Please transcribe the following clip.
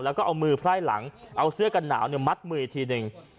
แล้วก็เอามือไพร่หลังเอาเสื้อกันหนาวมัดมืออีกทีหนึ่ง